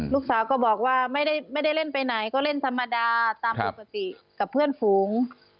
ลูกสาวก็บอกว่าไม่ได้เล่นไปไหนก็เล่นธรรมดาตามปกติกับเพื่อนฝูง